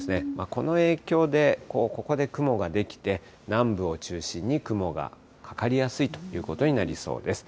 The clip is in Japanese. この影響で、ここで雲が出来て、南部を中心に雲がかかりやすいということになりそうです。